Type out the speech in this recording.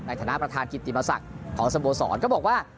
ในฐานะประธานกิติมศักดิ์ของสโมสรก็บอกว่า